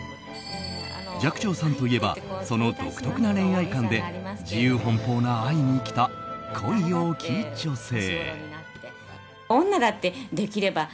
寂聴さんといえばその独特な恋愛観で自由奔放な愛に生きた恋多き女性。